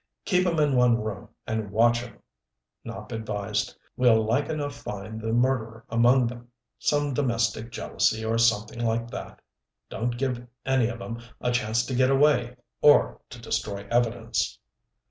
"Keep 'em in one room, and watch 'em," Nopp advised. "We'll like enough find the murderer among them some domestic jealousy, or something like that. Don't give any of 'em a chance to get away or to destroy evidence."